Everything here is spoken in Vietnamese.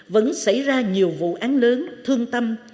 vẫn xảy ra nhiều vụ án lớn thương tâm